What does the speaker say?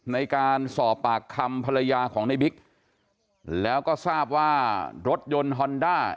ในการสอบปากคำภรรยาของในบิ๊กแล้วก็ทราบว่ารถยนต์ฮอนด้า